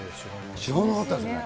知らなかったですね。